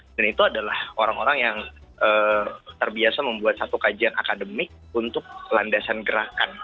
dan itu adalah orang orang yang terbiasa membuat satu kajian akademik untuk landasan gerakan